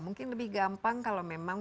mungkin lebih gampang kalau memang